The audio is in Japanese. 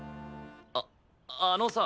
あっあのさ。